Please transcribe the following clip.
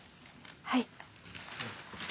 はい。